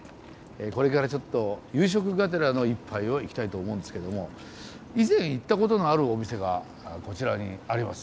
これからちょっと夕食がてらの１杯をいきたいと思うんですけども以前行ったことのあるお店がこちらにあります。